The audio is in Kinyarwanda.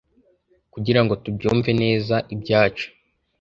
kugirango tubyumve neza ibyacu